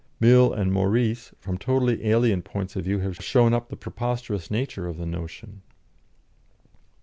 Mill and Maurice, from totally alien points of view, have shown up the preposterous nature of the notion.